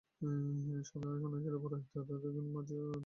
সন্ন্যাসীরা পৌরোহিত্য ও অধ্যাত্মজ্ঞানের মাঝখানে দণ্ডায়মান।